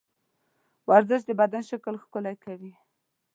ورزش د بدن شکل ښکلی کوي.